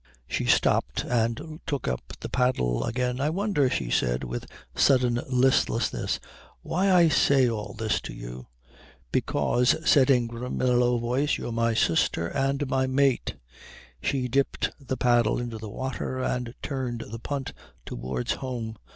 She stopped and took up the paddle again. "I wonder," she said, with sudden listlessness "why I say all this to you?" "Because," said Ingram, in a low voice, "you're my sister and my mate." She dipped the paddle into the water and turned the punt towards home.